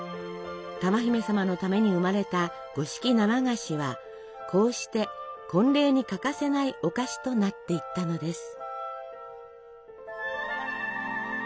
珠姫様のために生まれた五色生菓子はこうして婚礼に欠かせないお菓子となっていったのです。